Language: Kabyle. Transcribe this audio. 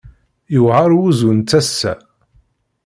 Yewɛer wuzzu n tasa.